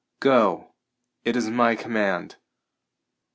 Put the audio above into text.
Go! It is my command!"